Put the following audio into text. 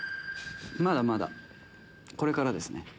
まだまだこれからですね。